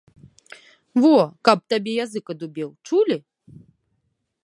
Во, каб табе язык адубеў, чулі?